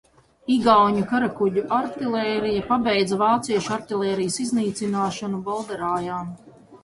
Igauņu karakuģu artilērija pabeidza vāciešu artilērijas iznīcināšanu Bolderājā.